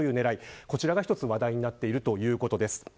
こちらが一つ話題になってるということです。